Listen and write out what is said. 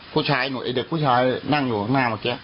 ผู้ชายหนูไอเด็กผู้ชายนั่งอยู่หรือเปล่า